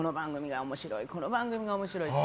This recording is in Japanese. この番組が面白いって。